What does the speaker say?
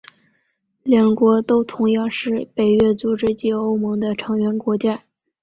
两国都同样是北约组织及欧盟的成员国家。